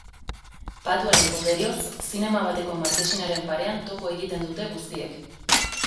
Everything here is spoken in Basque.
Patuaren poderioz, zinema bateko markesinaren parean topo egiten dute guztiek.